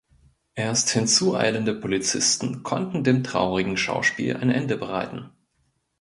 Erst hinzu eilende Polizisten konnten dem traurigen Schauspiel ein Ende bereiten.